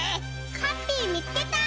ハッピーみつけた！